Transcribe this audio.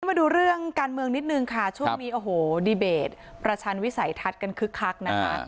มาดูเรื่องการเมืองนิดนึงค่ะช่วงนี้โอ้โหดีเบตประชันวิสัยทัศน์กันคึกคักนะคะ